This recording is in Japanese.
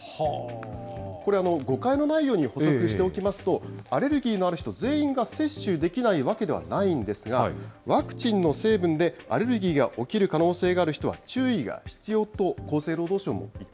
これ、誤解のないように補足しておきますと、アレルギーのある人全員が接種できないわけではないんですが、ワクチンの成分でアレルギーが起きる可能性がある人は注意が必要